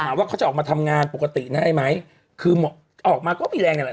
ว่าเขาจะออกมาทำงานปกติได้ไหมคือออกมาก็มีแรงนั่นแหละ